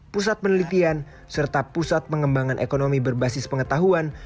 pusat penelitian serta pusat pengembangan ekonomi berbasis pengetahuan